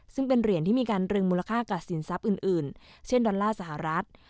ซึ่งเป็นเหรียญที่มีการตรึงมูลค่ากับสินทรัพย์อื่นเช่นดอลลาร์สหรัฐ